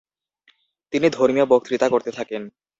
তিনি ধর্মীয় বক্তৃতা করতে থাকেন।